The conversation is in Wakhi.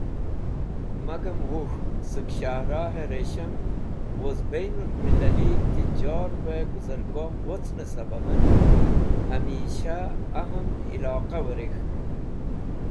Magam Wuk̃h sẽk Shahrahe Rẽsham woz Bainul Millali Tijjorve Guzergoh wocne sababen hamisha Ahm Iloqa wirẽk̃hk.